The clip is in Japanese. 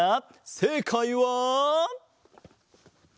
せいかいは。